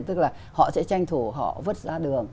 tức là họ sẽ tranh thủ họ vứt ra đường